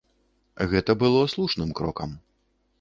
Гэта было слушным крокам.